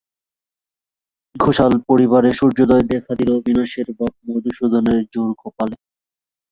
ঘোষাল-পরিবারে সূর্যোদয় দেখা দিল অবিনাশের বাপ মধুসূদনের জোর কপালে।